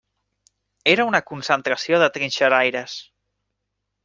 Era una concentració de trinxeraires.